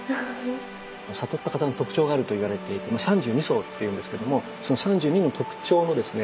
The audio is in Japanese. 悟った方の特徴があるといわれていて「三十二相」と言うんですけどもその三十二の特徴のですね